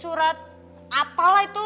sudah enak gue pasti beli aja